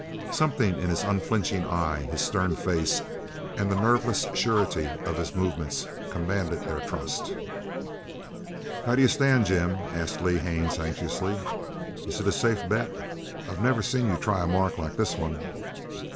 Something in his unflinching eye, his stern face, and the nerveless surety of his movements commanded their trust. "How do you stand, Jim?" asked Lee Haines anxiously. "Is it a safe bet? I've never seen you try a mark like this one!"